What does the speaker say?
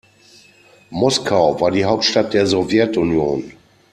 Moskau war die Hauptstadt der Sowjetunion.